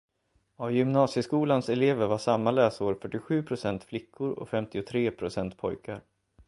Av gymnasieskolans elever var samma läsår fyrtiosju procent flickor och femtiotre procent pojkar.